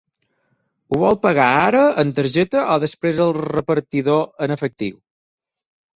Ho vol pagar ara en targeta o després al repartidor en efectiu?